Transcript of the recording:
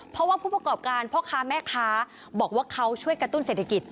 เพราะว่าผู้ประกอบการพ่อค้าแม่ค้าบอกว่าเขาช่วยกระตุ้นเศรษฐกิจ